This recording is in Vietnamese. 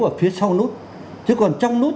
ở phía sau nút chứ còn trong nút